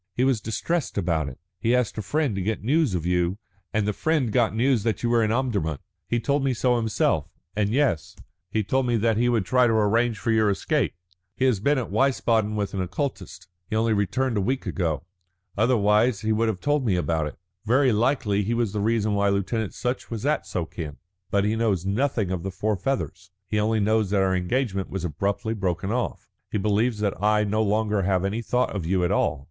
He was distressed about it; he asked a friend to get news of you, and the friend got news that you were in Omdurman. He told me so himself, and yes, he told me that he would try to arrange for your escape. No doubt he has done that through Lieutenant Sutch. He has been at Wiesbaden with an oculist; he only returned a week ago. Otherwise he would have told me about it. Very likely he was the reason why Lieutenant Sutch was at Suakin, but he knows nothing of the four feathers. He only knows that our engagement was abruptly broken off; he believes that I have no longer any thought of you at all.